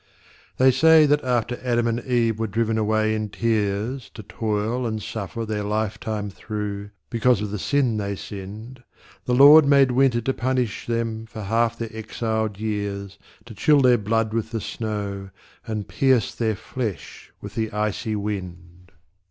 They say that after Adam and Eve were driven away in tears To toil and suffer their life time through, because of the sin they sinned, The Lord made Winter to punish them for half their exiled years, To chill their blood with the snow, and pierce their flesh with the icy wind.